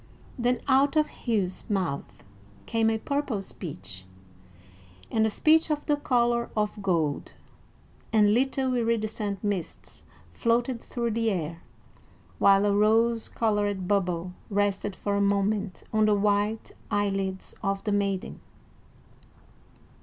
Then out of Hugh's mouth came a purple speech, and a speech of the color of gold; and little iridescent mists floated through the air, while a rose colored bubble rested for a moment on the white eyelids of the maiden.